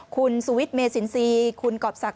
คุณสุวิทย์เมสินซีคุณกอบสัก